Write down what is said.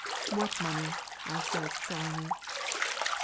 "What money?" I says sullenly.